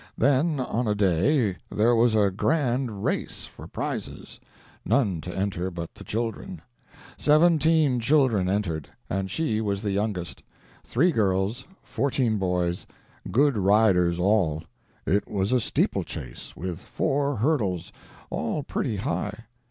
Then, on a day, there was a grand race, for prizes—none to enter but the children. Seventeen children entered, and she was the youngest. Three girls, fourteen boys—good riders all. It was a steeplechase, with four hurdles, all pretty high.